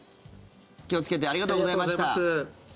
気をつけてありがとうございました。